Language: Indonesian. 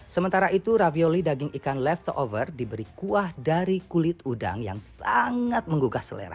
sementara itu ravioli daging ikan leftover diberi kuah dari kulit udang yang sangat menggugah selera